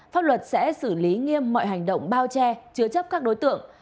pháp luật sẽ xử lý nghiêm mọi hành động bao che chứa chấp các đối tượng